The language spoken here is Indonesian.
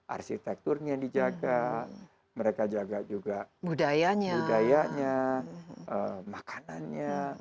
arsitekturnya yang dijaga mereka jaga juga budayanya makanannya